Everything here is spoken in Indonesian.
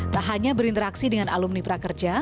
tak hanya berinteraksi dengan alumni prakerja